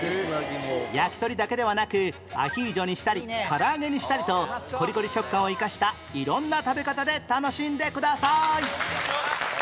焼き鳥だけではなくアヒージョにしたり唐揚げにしたりとコリコリ食感を生かした色んな食べ方で楽しんでください